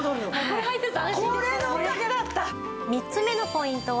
これのおかげだった。